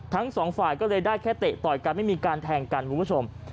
ทั้งสองฝ่ายก็เลยได้แค่เตะต่อยกันไม่มีการแทงกันคุณผู้ชม